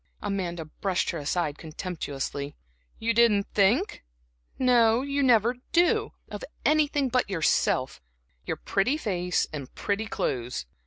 Amanda brushed her aside contemptuously. "You didn't think? no, you never do, of anything but yourself, your pretty face and pretty clothes!